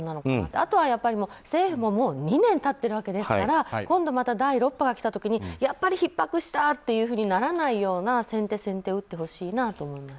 あとは、政府ももう２年経ってるわけですから今度また第６波がきた時にやっぱりひっ迫したとならないような先手先手を打ってほしいなと思います。